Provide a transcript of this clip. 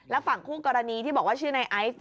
และบอกว่าพวกเกราะนะคะฮะ